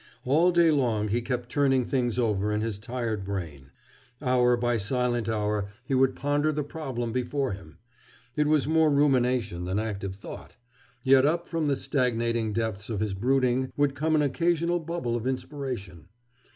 All day long he kept turning things over in his tired brain. Hour by silent hour he would ponder the problem before him. It was more rumination than active thought. Yet up from the stagnating depths of his brooding would come an occasional bubble of inspiration.